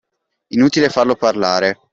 Inutile farlo parlare.